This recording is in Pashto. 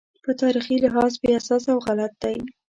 په تاریخي لحاظ بې اساسه او غلط دی.